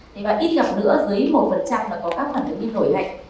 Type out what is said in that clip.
thế và ít gặp nữa dưới một là có các phản ứng như nổi hạnh